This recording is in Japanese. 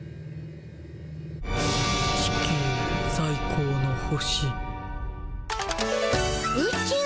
地球さい高の星。